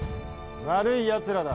悪いやつらだ。